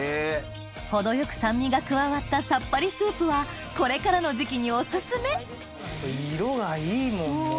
程よく酸味が加わったさっぱりスープはこれからの時期にお薦め色がいいもんもう。